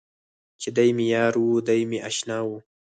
چې دی مې یار و، دی مې اشنا و.